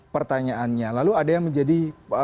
pertanyaannya lalu ada yang menjadi